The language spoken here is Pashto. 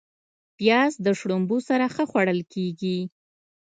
پیاز د شړومبو سره ښه خوړل کېږي